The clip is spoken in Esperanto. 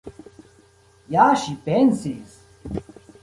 Ja ŝi pensis!